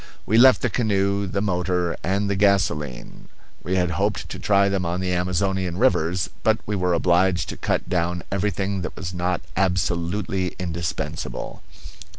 We left the canoe, the motor, and the gasolene; we had hoped to try them on the Amazonian rivers, but we were obliged to cut down everything that was not absolutely indispensable.